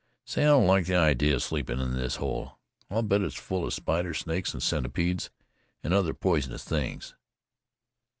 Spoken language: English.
"Say, I don't like the idea of sleeping in this hole. I'll bet it's full of spiders, snakes and centipedes and other poisonous things."